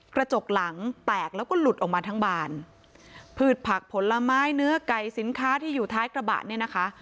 กระจกหลังแตกแล้วก็หลุดออกมาทั้งบานพืชผักผลไม้เนื้อไก่สินค้าที่อยู่ท้ายกระบะเนี่ยนะคะ